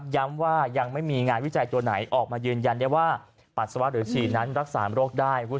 ย้ำว่ายังไม่มีงานวิจัยตัวไหนออกมายืนยันได้ว่าปัสสาวะหรือฉี่นั้นรักษาโรคได้